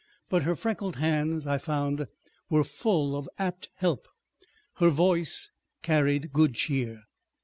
But her freckled hands I found, were full of apt help, her voice carried good cheer.